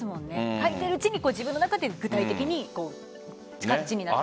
書いているうちに自分の中で具体的に形になっていく。